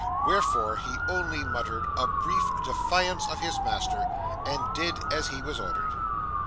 Wherefore, he only muttered a brief defiance of his master, and did as he was ordered.